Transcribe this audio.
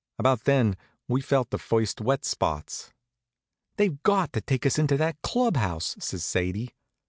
About then we felt the first wet spots. "They've got to take us into that club house," says Sadie.